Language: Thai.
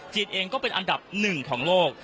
เองก็เป็นอันดับหนึ่งของโลก